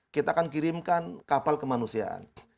kita akan kirimkan kapal kemanusiaan